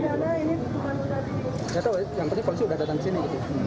yang penting polisi udah datang sini